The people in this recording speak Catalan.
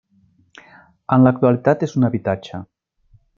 En l'actualitat és un habitatge.